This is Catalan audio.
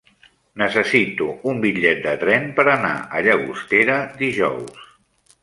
Necessito un bitllet de tren per anar a Llagostera dijous.